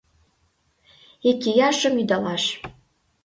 Икияшым ӱдалаш.